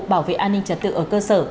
bảo vệ an ninh trật tự ở cơ sở